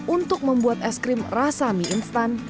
untuk membuat es krim rasa mie instan